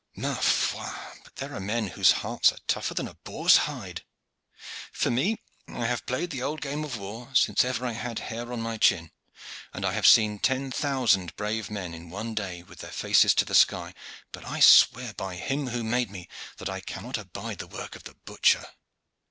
Ma foi! but there are men whose hearts are tougher than a boar's hide. For me, I have played the old game of war since ever I had hair on my chin, and I have seen ten thousand brave men in one day with their faces to the sky, but I swear by Him who made me that I cannot abide the work of the butcher."